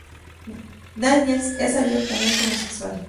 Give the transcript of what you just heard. Daniels es abiertamente homosexual.